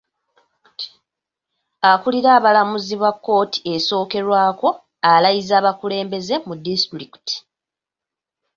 Akulira abalamuzi ba kkooti esookerwako alayizza abakulembeze mu disitulikiti.